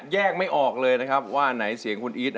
แยกไม่ออกเลยนะครับว่าไหนเสียงคุณอีท